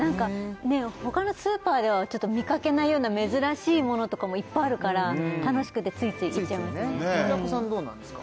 ほかのスーパーではちょっと見かけないような珍しいものとかもいっぱいあるから楽しくてついつい行っちゃいますね平子さんはどうなんですか？